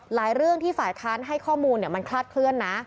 เรื่องที่ฝ่ายค้านให้ข้อมูลมันคลาดเคลื่อนนะ